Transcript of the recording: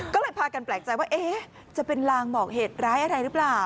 ก็เลยพากันแปลกใจว่าจะเป็นลางบอกเหตุร้ายอะไรหรือเปล่า